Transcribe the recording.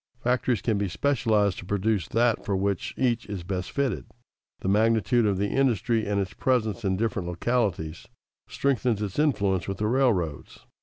Factories can be specialized to produce that for which each is best fitted. The magnitude of the industry and its presence in different localities strengthens its influence with the railroads.